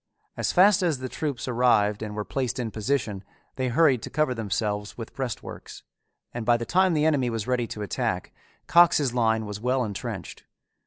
As fast as the troops arrived and were placed in position they hurried to cover themselves with breastworks, and by the time the enemy was ready to attack, Cox's line was well intrenched.